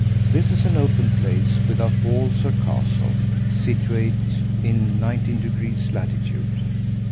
This is an open place, without walls or castle, situate in 19 deg. latitude.